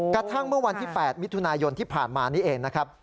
กระทั่งเมื่อวันที่๘มิถุนายนที่ผ่านมานี้เองนะครับ